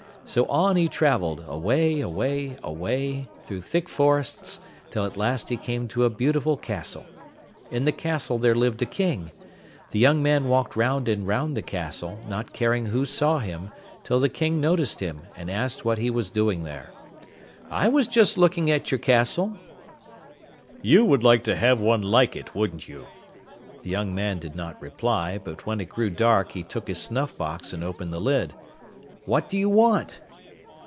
So on he travelled, away, away, away, through thick forests, till at last he came to a beautiful castle. In the castle there lived a King. The young man walked round and round the castle, not caring who saw him, till the King noticed him, and asked what he was doing there. 'I was just looking at your castle.' 'You would like to have one like it, wouldn't you?' The young man did not reply, but when it grew dark he took his snuff box and opened the lid. 'What do you want?